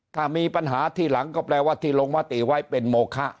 ถ้ามีปัญหาที่หลังก็แปลว่าที่ลงมติไว้เป็นโมคะ